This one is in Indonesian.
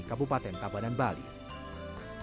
untuk laporan dan tembakan yang diperoleh oleh petani